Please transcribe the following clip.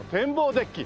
デッキ。